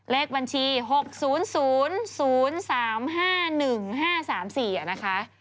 เลขบัญชี๖๐๐๓๕๑๕๓๔นะคะ